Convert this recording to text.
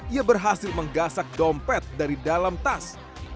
ia berhasil menggasak dompet dari dalam tas